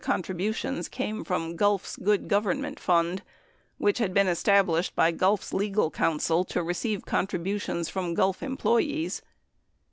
925 funds for contributions came from Gulf's Good Government Fund, which had been established by Gulf's legal counsel to receive contribu tions from Gulf employees.